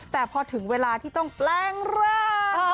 แต่พอถึงเวลาที่ต้องแปลงร่าง